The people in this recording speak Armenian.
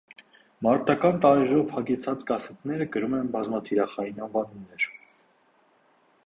Մարտական տարրերով հագեցած կասետները կրում են բազմաթիրախային անվանումներ։